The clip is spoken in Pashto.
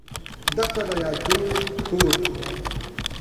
دښته د یادونو کور ده.